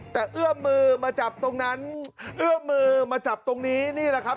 แต่เอื้อมมือมาจับตรงนั้นเอื้อมมือมาจับตรงนี้นี่แหละครับ